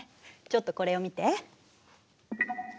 ちょっとこれを見て。